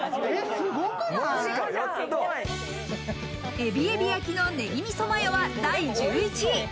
えびえび焼のネギ味噌マヨは第１１位。